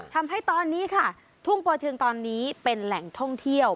ทำให้ตอนนี้ค่ะทุ่งปะทึงตอนนี้เป็นแหล่งท่องเที่ยว